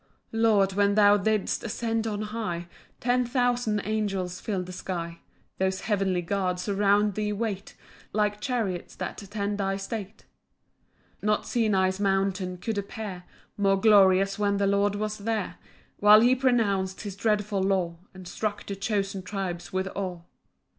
1 Lord, when thou didst ascend on high, Ten thousand angels fill'd the sky; Those heavenly guards around thee wait, Like chariots that attend thy state. 2 Not Sinai's mountain could appear More glorious when the Lord was there; While he pronounc'd his dreadful law, And struck the chosen tribes with awe.